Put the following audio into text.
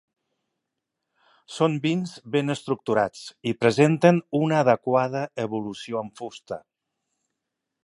Són vins ben estructurats i presenten una adequada evolució en fusta.